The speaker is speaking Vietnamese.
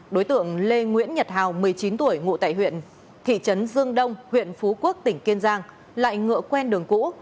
đối tượng lê nguyễn nhật hào một mươi chín tuổi ngụ tại thị trấn dương đông huyện phú quốc tỉnh kiên giang lại ngựa quen đường cũ